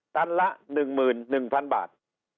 ตันละ๑๑๐๐๐บาท